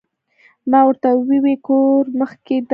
ما ورته ووې د کور مخ کښې دې